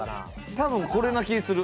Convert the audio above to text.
多分これな気ぃする。